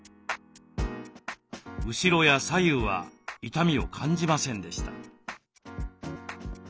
後ろや左右は痛みを感じませんでした。